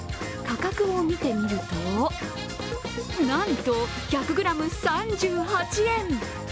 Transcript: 価格を見てみると、なんと１００ｇ３８円。